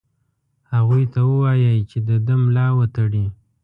هغوی ته ووايی چې د ده ملا وتړي.